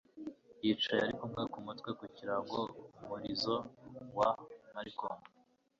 yicaye arikumwe kumutwe kugirango umurizo wa marcoun